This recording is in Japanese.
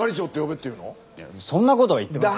いやそんな事は言ってません。